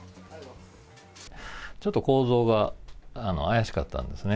ちょっと行動が怪しかったんですね。